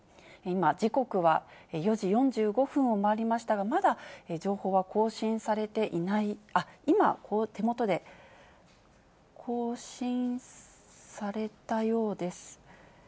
今、時刻は４時４５分を回りましたが、まだ情報は更新されていない、今、手元で更新されたようです。